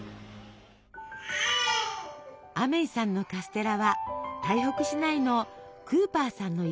アメイさんのカステラは台北市内のクーパーさんの家へ。